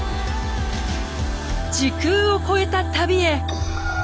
時空を超えた旅へ。